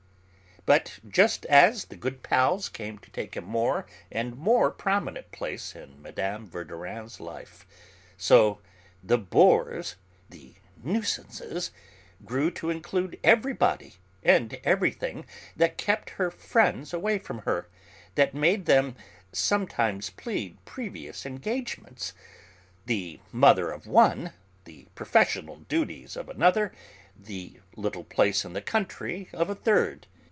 But just as the 'good pals' came to take a more and more prominent place in Mme. Verdurin's life, so the 'bores,' the 'nuisances' grew to include everybody and everything that kept her friends away from her, that made them sometimes plead 'previous engagements,' the mother of one, the professional duties of another, the 'little place in the country' of a third.